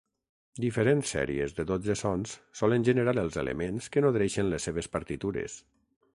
Diferents sèries de dotze sons solen generar els elements que nodreixen les seves partitures.